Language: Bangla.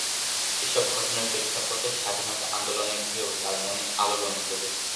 এসব ঘটনার প্রেক্ষাপটে স্বাধীনতা আন্দোলনের ঢেউ তার মনে আলোড়ন তোলে।